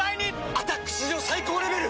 「アタック」史上最高レベル！